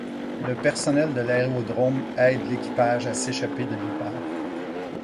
Le personnel de l'aérodrome aide l'équipage à s'échapper de l'épave.